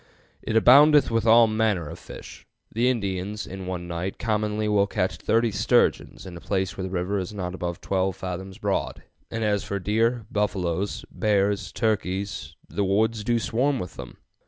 It aboundeth with all manner of fish. The Indians in one night commonly will catch thirty sturgeons in a place where the river is not above 12 fathoms broad, and as for deer, buffaloes, bears, turkeys, the woods do swarm with them.